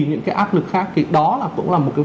những cái áp lực khác thì đó là cũng là một cái